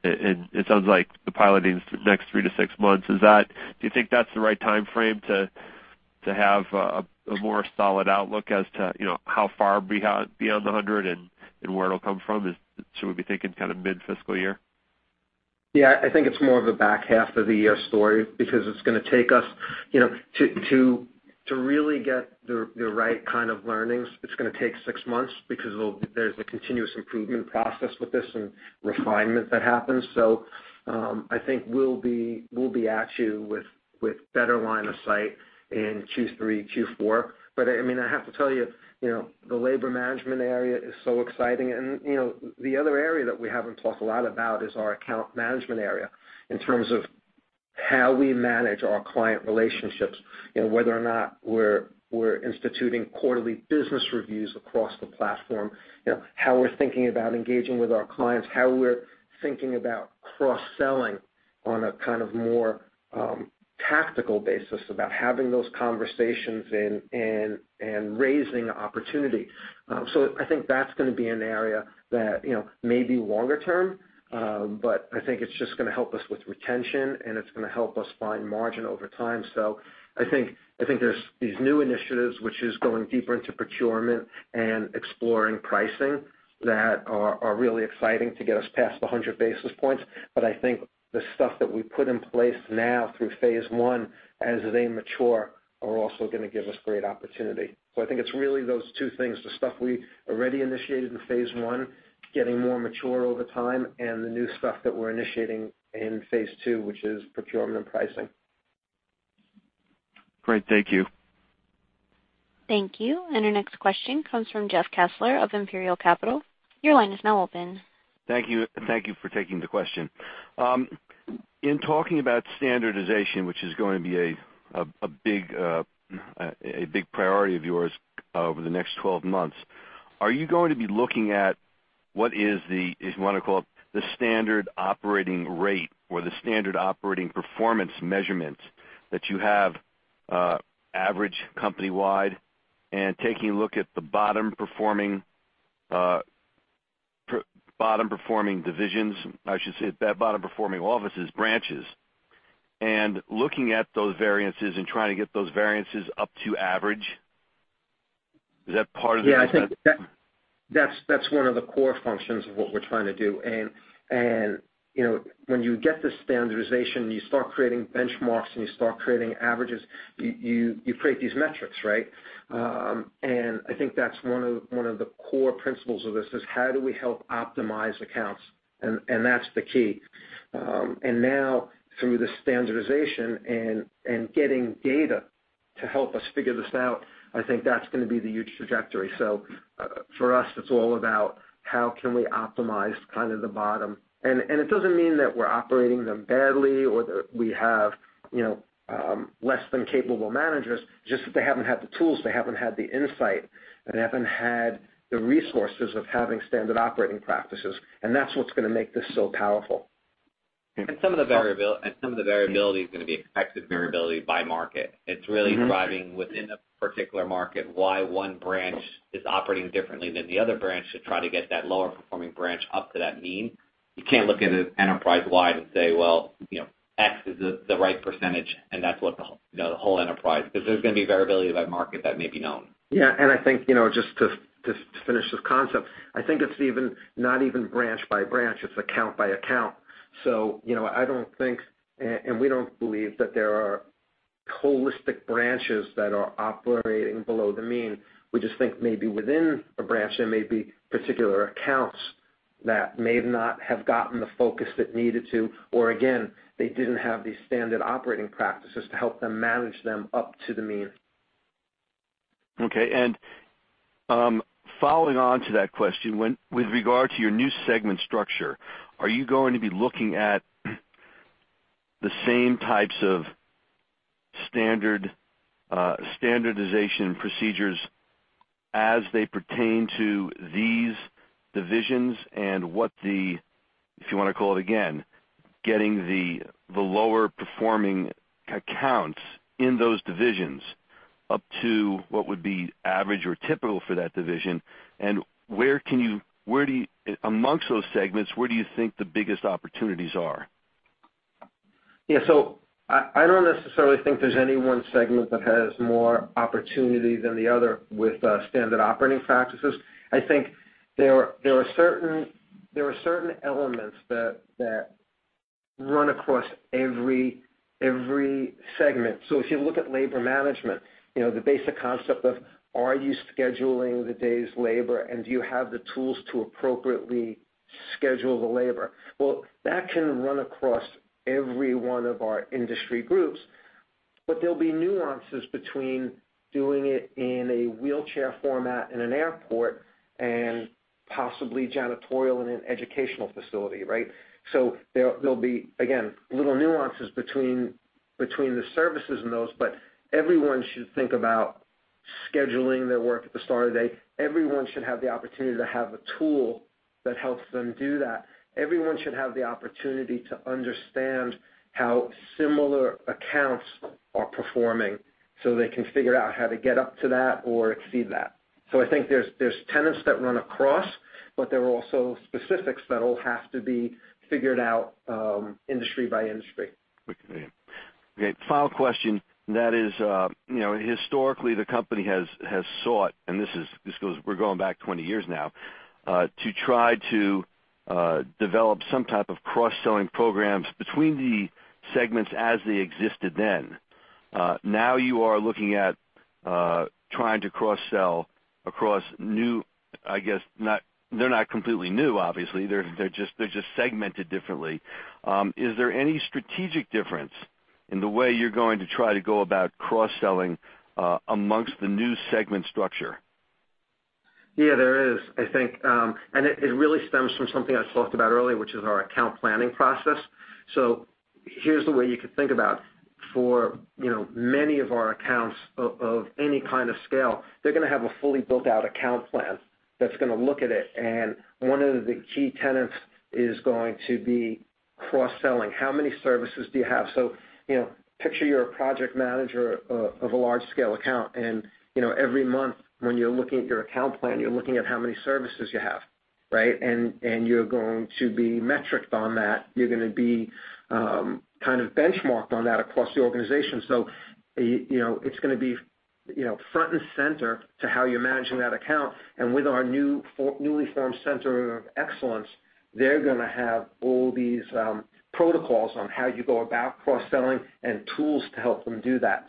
It sounds like the piloting's next three to six months. Do you think that's the right timeframe to have a more solid outlook as to how far beyond the 100 and where it'll come from? Should we be thinking kind of mid-fiscal year? Yeah, I think it's more of a back half of the year story because it's going to take us. To really get the right kind of learnings, it's going to take six months because there's a continuous improvement process with this and refinement that happens. I think we'll be at you with better line of sight in Q3, Q4. I have to tell you, the labor management area is so exciting. The other area that we haven't talked a lot about is our account management area in terms of how we manage our client relationships. Whether or not we're instituting quarterly business reviews across the platform. How we're thinking about engaging with our clients, how we're thinking about cross-selling on a kind of more tactical basis about having those conversations and raising opportunity. I think that's going to be an area that may be longer term. I think it's just going to help us with retention, and it's going to help us find margin over time. I think there's these new initiatives which is going deeper into procurement and exploring pricing that are really exciting to get us past the 100 basis points. I think the stuff that we put in place now through phase one, as they mature, are also going to give us great opportunity. I think it's really those two things, the stuff we already initiated in phase one, getting more mature over time, and the new stuff that we're initiating in phase two, which is procurement and pricing. Great. Thank you. Thank you. Our next question comes from Jeff Kessler of Imperial Capital. Your line is now open. Thank you for taking the question. In talking about standardization, which is going to be a big priority of yours over the next 12 months, are you going to be looking at what is the, if you want to call it, the standard operating rate or the standard operating performance measurements that you have average companywide and taking a look at the bottom-performing divisions, I should say bottom-performing offices, branches, and looking at those variances and trying to get those variances up to average? Is that part of the- Yeah, I think that's one of the core functions of what we're trying to do. When you get the standardization, you start creating benchmarks, and you start creating averages. You create these metrics, right? I think that's one of the core principles of this is how do we help optimize accounts? That's the key. Now through the standardization and getting data to help us figure this out, I think that's going to be the huge trajectory. For us, it's all about how can we optimize kind of the bottom. It doesn't mean that we're operating them badly or that we have less than capable managers, just that they haven't had the tools, they haven't had the insight, and they haven't had the resources of having standard operating practices. That's what's going to make this so powerful. Some of the variability is going to be expected variability by market. It's really driving within a particular market why one branch is operating differently than the other branch to try to get that lower performing branch up to that mean. You can't look at it enterprise wide and say, "Well, X is the right %," and that's what the whole enterprise, because there's going to be variability by market that may be known. Yeah. I think just to finish this concept, I think it's not even branch by branch, it's account by account. I don't think, and we don't believe that there are holistic branches that are operating below the mean. We just think maybe within a branch, there may be particular accounts that may not have gotten the focus it needed to, or again, they didn't have the standard operating practices to help them manage them up to the mean. Okay. Following on to that question, with regard to your new segment structure, are you going to be looking at the same types of standardization procedures as they pertain to these divisions and if you want to call it again, getting the lower performing accounts in those divisions up to what would be average or typical for that division? Amongst those segments, where do you think the biggest opportunities are? Yeah. I don't necessarily think there's any one segment that has more opportunity than the other with standard operating practices. I think there are certain elements that run across every segment. If you look at labor management, the basic concept of, are you scheduling the day's labor, and do you have the tools to appropriately schedule the labor? Well, that can run across every one of our industry groups, but there'll be nuances between doing it in a wheelchair format in an airport and possibly Janitorial in an educational facility, right? There'll be, again, little nuances between the services and those, but everyone should think about scheduling their work at the start of the day. Everyone should have the opportunity to have a tool that helps them do that. Everyone should have the opportunity to understand how similar accounts are performing so they can figure out how to get up to that or exceed that. I think there's tenets that run across, but there are also specifics that'll have to be figured out industry by industry. Okay. Final question, that is, historically the company has sought, and we're going back 20 years now, to try to develop some type of cross-selling programs between the segments as they existed then. Now you are looking at trying to cross-sell across new, I guess they're not completely new, obviously. They're just segmented differently. Is there any strategic difference in the way you're going to try to go about cross-selling amongst the new segment structure? Yeah, there is, I think. It really stems from something I talked about earlier, which is our account planning process. Here's the way you could think about. For many of our accounts of any kind of scale, they're going to have a fully built-out account plan that's going to look at it, and one of the key tenets is going to be cross-selling. How many services do you have? Picture you're a project manager of a large-scale account, and every month when you're looking at your account plan, you're looking at how many services you have, right? You're going to be metriced on that. You're going to be kind of benchmarked on that across the organization. It's going to be front and center to how you're managing that account. With our newly formed Center of Excellence, they're going to have all these protocols on how you go about cross-selling and tools to help them do that.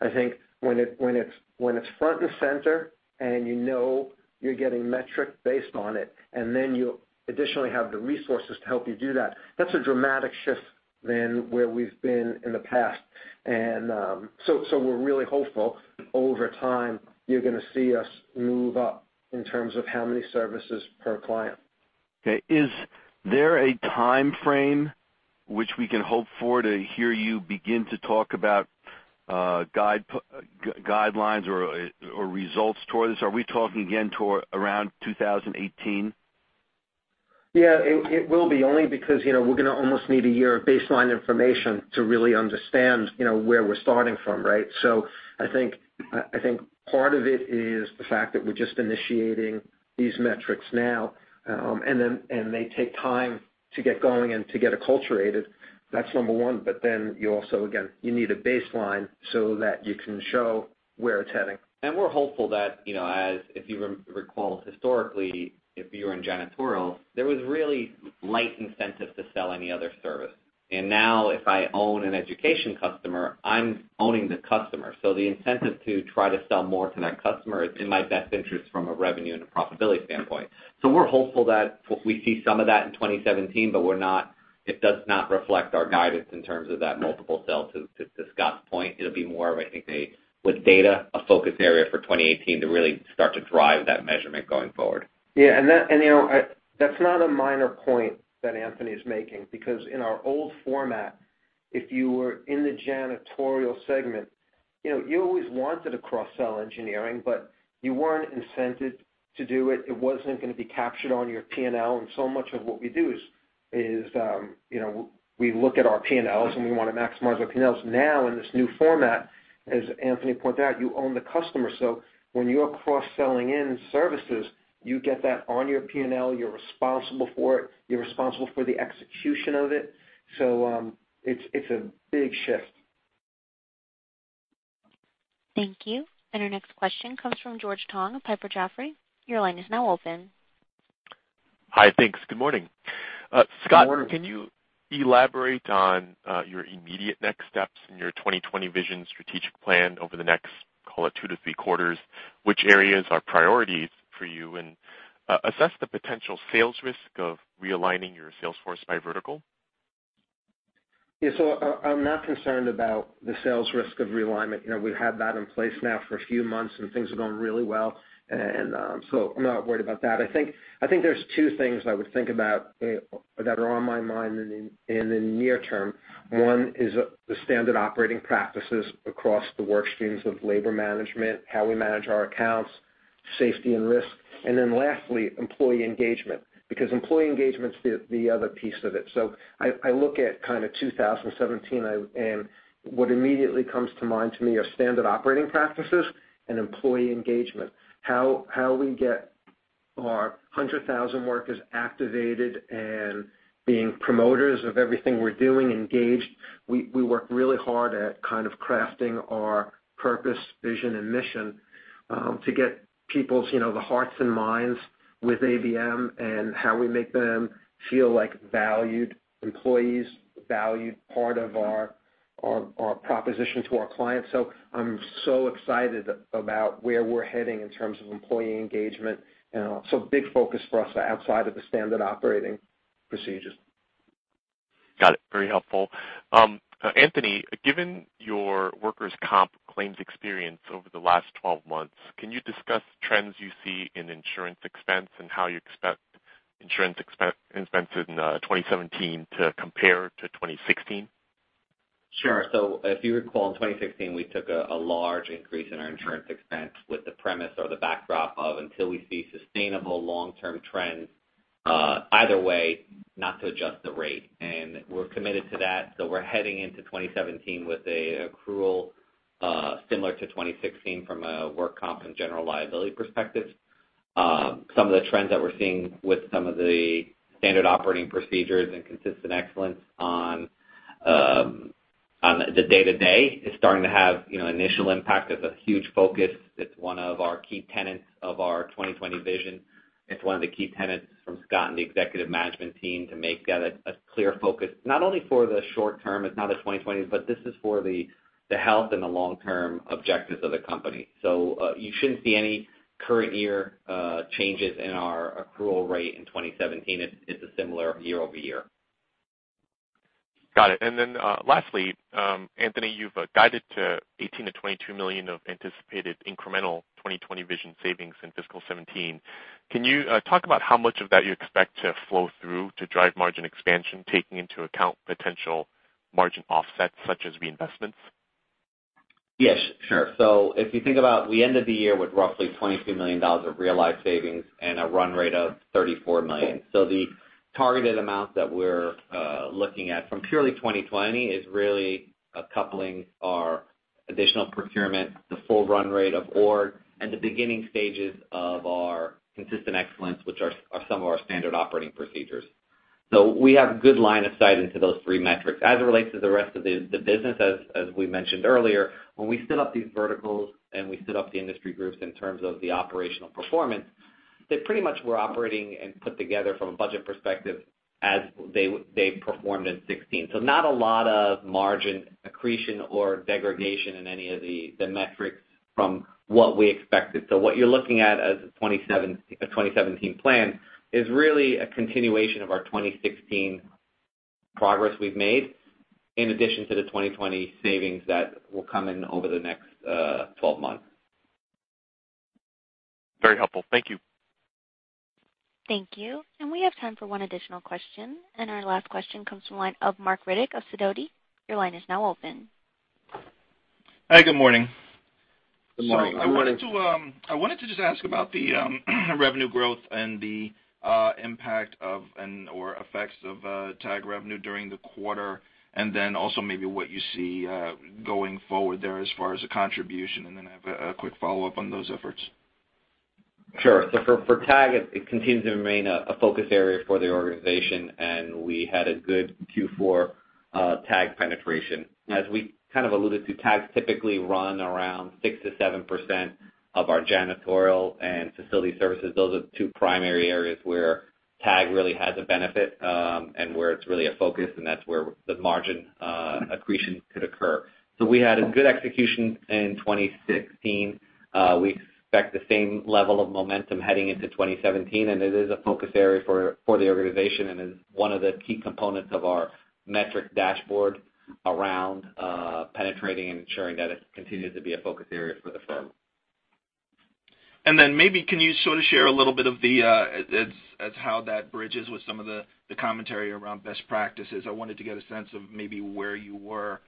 I think when it's front and center and you know you're getting metric based on it, and then you additionally have the resources to help you do that's a dramatic shift than where we've been in the past. We're really hopeful over time, you're going to see us move up in terms of how many services per client. Okay. Is there a timeframe which we can hope for to hear you begin to talk about guidelines or results towards this? Are we talking again toward around 2018? Yeah, it will be only because we're going to almost need a year of baseline information to really understand where we're starting from, right? I think part of it is the fact that we're just initiating these metrics now, and they take time to get going and to get acculturated. That's number one. You also, again, you need a baseline so that you can show where it's heading. We're hopeful that, if you recall historically, if you were in Janitorial, there was really light incentive to sell any other service. Now if I own an education customer, I'm owning the customer. The incentive to try to sell more to that customer is in my best interest from a revenue and a profitability standpoint. We're hopeful that we see some of that in 2017, but it does not reflect our guidance in terms of that multiple sell to Scott's point. It'll be more of, I think with data, a focus area for 2018 to really start to drive that measurement going forward. Yeah. That's not a minor point that Anthony's making, because in our old format, if you were in the Janitorial segment, you always wanted a cross-sell engineering, but you weren't incented to do it. It wasn't going to be captured on your P&L, and so much of what we do is we look at our P&Ls, and we want to maximize our P&Ls. Now, in this new format, as Anthony pointed out, you own the customer. When you're cross-selling in services, you get that on your P&L. You're responsible for it. You're responsible for the execution of it. It's a big shift. Thank you. Our next question comes from George Tong of Piper Jaffray. Your line is now open. Hi, thanks. Good morning. Good morning. Scott, can you elaborate on your immediate next steps in your 2020 Vision strategic plan over the next, call it two to three quarters? Which areas are priorities for you? Assess the potential sales risk of realigning your sales force by vertical. Yeah. I'm not concerned about the sales risk of realignment. We've had that in place now for a few months, and things are going really well. I'm not worried about that. I think there's two things I would think about that are on my mind in the near term. One is the standard operating practices across the work streams of labor management, how we manage our accounts, safety and risk, and then lastly, employee engagement, because employee engagement's the other piece of it. I look at 2017, and what immediately comes to mind to me are standard operating practices and employee engagement. How we get our 100,000 workers activated and being promoters of everything we're doing, engaged. We work really hard at crafting our purpose, vision, and mission, to get the hearts and minds with ABM and how we make them feel like valued employees, a valued part of our proposition to our clients. I'm so excited about where we're heading in terms of employee engagement, so big focus for us outside of the standard operating procedures. Got it. Very helpful. Anthony, given your workers' comp claims experience over the last 12 months, can you discuss trends you see in insurance expense and how you expect insurance expense in 2017 to compare to 2016? Sure. If you recall, in 2016, we took a large increase in our insurance expense with the premise or the backdrop of, until we see sustainable long-term trends, either way, not to adjust the rate. We're committed to that. We're heading into 2017 with an accrual similar to 2016 from a work comp and general liability perspective. Some of the trends that we're seeing with some of the standard operating procedures and consistent excellence on the day-to-day is starting to have initial impact. It's a huge focus. It's one of our key tenets of our 2020 Vision. It's one of the key tenets from Scott and the executive management team to make that a clear focus, not only for the short term, it's not a 2020, but this is for the health and the long-term objectives of the company. You shouldn't see any current year changes in our accrual rate in 2017. It's a similar year-over-year. Got it. Lastly, Anthony, you've guided to $18 million-$22 million of anticipated incremental 2020 Vision savings in fiscal 2017. Can you talk about how much of that you expect to flow through to drive margin expansion, taking into account potential margin offsets such as reinvestments? Yes, sure. If you think about, we ended the year with roughly $22 million of realized savings and a run rate of $34 million. The targeted amount that we're looking at from purely 2020 Vision is really a coupling our additional procurement, the full run rate of org, and the beginning stages of our consistent excellence, which are some of our standard operating procedures. We have good line of sight into those three metrics. As it relates to the rest of the business, as we mentioned earlier, when we stood up these verticals and we stood up the industry groups in terms of the operational performance, they pretty much were operating and put together from a budget perspective as they performed in 2016. Not a lot of margin accretion or degradation in any of the metrics from what we expected. What you're looking at as a 2017 plan is really a continuation of our 2016 progress we've made, in addition to the 2020 Vision savings that will come in over the next 12 months. Very helpful. Thank you. Thank you. We have time for one additional question, and our last question comes from the line of Marc Riddick of Sidoti. Your line is now open. Hi, good morning. Good morning. I wanted to just ask about the revenue growth and the impact of and/or effects of TAG revenue during the quarter, and then also maybe what you see going forward there as far as the contribution, and then I have a quick follow-up on those efforts. Sure. For TAG, it continues to remain a focus area for the organization, and we had a good Q4 TAG penetration. As we kind of alluded to, TAGs typically run around 6% to 7% of our Janitorial and Facility Services. Those are the two primary areas where TAG really has a benefit, and where it's really a focus, and that's where the margin accretion could occur. We had a good execution in 2016. We expect the same level of momentum heading into 2017, and it is a focus area for the organization and is one of the key components of our metric dashboard around penetrating and ensuring that it continues to be a focus area for the firm. Maybe, can you sort of share a little bit of the as how that bridges with some of the commentary around best practices? I wanted to get a sense of maybe where you were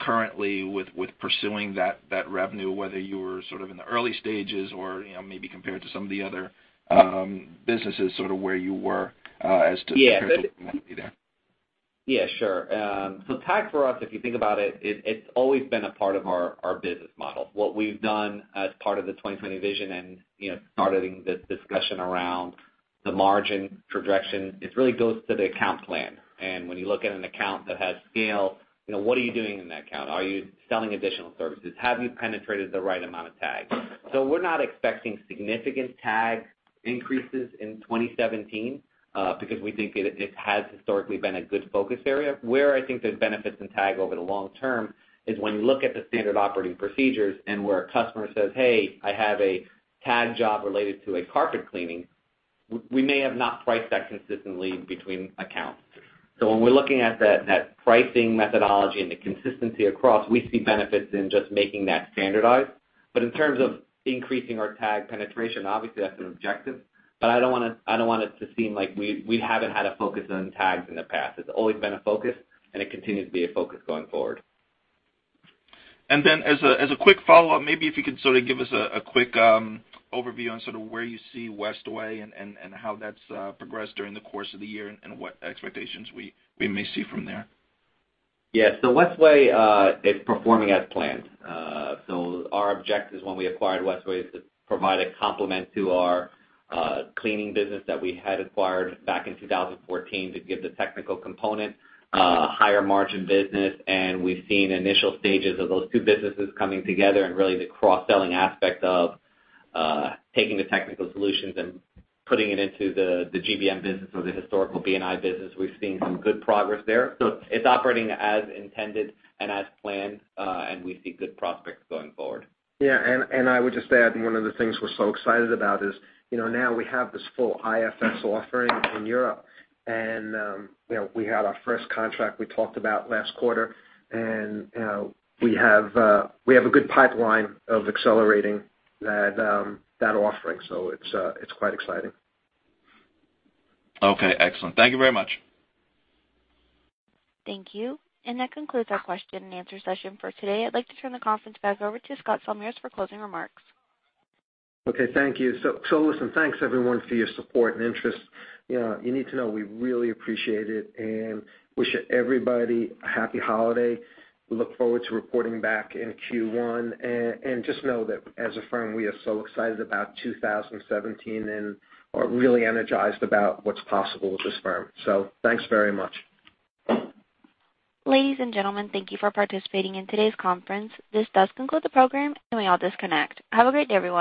currently with pursuing that revenue, whether you were sort of in the early stages or maybe compared to some of the other businesses, sort of where you were as. Yeah. Compared to there. Yeah, sure. TAG for us, if you think about it's always been a part of our business model. What we've done as part of the 2020 Vision and starting this discussion around the margin projection, it really goes to the account plan. When you look at an account that has scale, what are you doing in that account? Are you selling additional services? Have you penetrated the right amount of TAG? We're not expecting significant TAG increases in 2017, because we think it has historically been a good focus area. Where I think there's benefits in TAG over the long term is when you look at the standard operating procedures and where a customer says, "Hey, I have a TAG job related to a carpet cleaning," we may have not priced that consistently between accounts. When we're looking at that pricing methodology and the consistency across, we see benefits in just making that standardized. In terms of increasing our TAG penetration, obviously that's an objective. I don't want it to seem like we haven't had a focus on TAG in the past. It's always been a focus, and it continues to be a focus going forward. As a quick follow-up, maybe if you could sort of give us a quick overview on sort of where you see Westway and how that's progressed during the course of the year and what expectations we may see from there. Yeah. Westway is performing as planned. Our objective when we acquired Westway is to provide a complement to our cleaning business that we had acquired back in 2014 to give the technical component a higher margin business, and we've seen initial stages of those two businesses coming together and really the cross-selling aspect of taking the Technical Solutions and putting it into the GBM business or the historical B&I business. We've seen some good progress there. It's operating as intended and as planned, and we see good prospects going forward. Yeah, I would just add, one of the things we're so excited about is, now we have this full IFS offering in Europe. We had our first contract we talked about last quarter. We have a good pipeline of accelerating that offering. It's quite exciting. Okay, excellent. Thank you very much. Thank you. That concludes our question and answer session for today. I'd like to turn the conference back over to Scott Salmirs for closing remarks. Okay, thank you. Listen, thanks everyone for your support and interest. You need to know we really appreciate it and wish everybody a happy holiday. We look forward to reporting back in Q1, and just know that as a firm, we are so excited about 2017 and are really energized about what's possible with this firm. Thanks very much. Ladies and gentlemen, thank you for participating in today's conference. This does conclude the program, you may all disconnect. Have a great day, everyone.